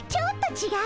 ちがう？